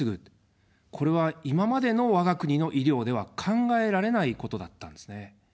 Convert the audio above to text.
これは今までの我が国の医療では考えられないことだったんですね。